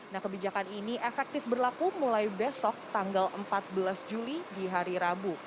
nah kebijakan ini efektif berlaku mulai besok tanggal empat belas juli di hari rabu